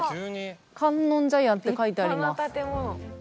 観音茶屋って書いてあります。